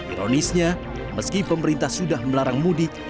ironisnya meski pemerintah sudah melarang mudik